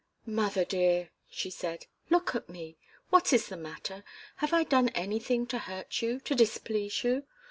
"Mother dear," she said, "look at me! What is the matter? Have I done anything to hurt you to displease you?